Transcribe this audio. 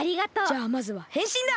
じゃあまずはへんしんだ！